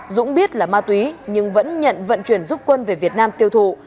dũng biết là ma túy nhưng vẫn nhận vận chuyển giúp quân về việt nam tiêu thụ